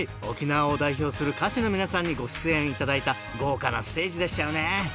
沖縄を代表する歌手の皆さんにご出演頂いた豪華なステージでしたよね